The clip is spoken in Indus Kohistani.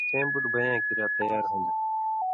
کھیں سېں بُٹ بېں یاں کِریا تیار ہُون٘دہۡ،